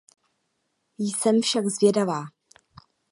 Jsem však zvědavá.